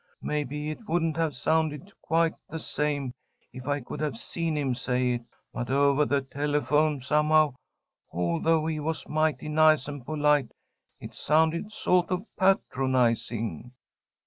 Maybe it wouldn't have sounded quite the same if I could have seen him say it, but ovah the telephone, somehow although he was mighty nice and polite it sounded sawt of patronizing."